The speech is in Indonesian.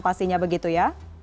pastinya begitu ya